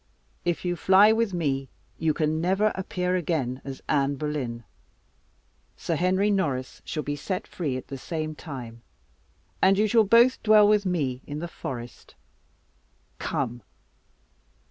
If you fly with me, you can never appear again as Anne Boleyn. Sir Henry Norris shall be set free at the same time, and you shall both dwell with me in the forest. Come!"